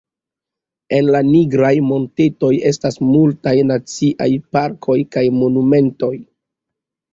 En la Nigraj Montetoj estas multaj naciaj parkoj kaj monumentoj.